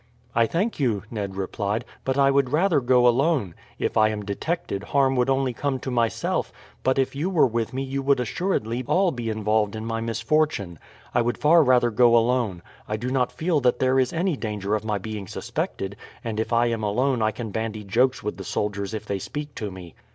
"I thank you," Ned replied, "but I would rather go alone. If I am detected harm would only come to myself, but if you were with me you would assuredly all be involved in my misfortune. I would far rather go alone. I do not feel that there is any danger of my being suspected; and if I am alone I can bandy jokes with the soldiers if they speak to me.